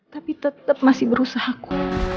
tapi tetep masih berusaha aku